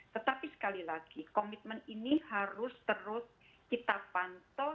tetapi sekali lagi komitmen ini harus terus kita pantau